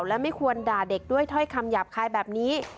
และไม่ควรด่าเด็กด้วยถ้อยคำหยาบคายแบบนี้